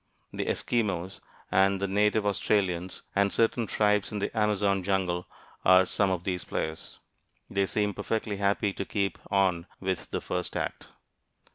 The Eskimos, and the native Australians, and certain tribes in the Amazon jungle are some of these players. They seem perfectly happy to keep on with the first act.